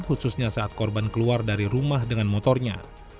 khususnya saat korban keluar dari rumah dengan motornya